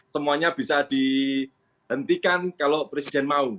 semuanya bisa dihentikan kalau presiden mau